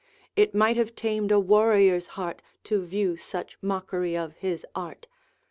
It might have tamed a warrior's heart To view such mockery of his art!